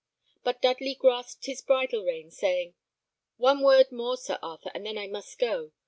But Dudley grasped his bridle rein, saying, "One word more, Sir Arthur, and then I must go.